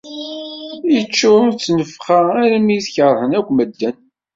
Yeččur d nnefxa armi t-kerhen akk medden.